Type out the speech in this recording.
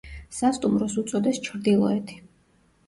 სასტუმროს უწოდეს „ჩრდილოეთი“.